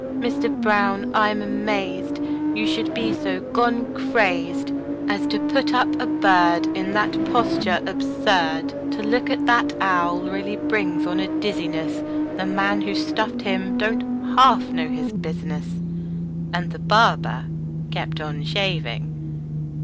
Mister Brown, I'm amazed You should be so gone crazed As to put up a bird In that posture absurd! To look at that owl really brings on a dizziness; The man who stuffed him don't half know his business!" And the barber kept on shaving.